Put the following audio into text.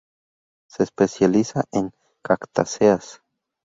Se especializa en cactáceas.